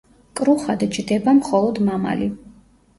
კრუხად ჯდება მხოლოდ მამალი.